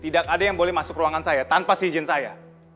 tidak ada yang boleh masuk ruangan saya tanpa seizin saya